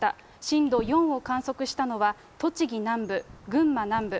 震度４を観測したのは、栃木南部、群馬南部。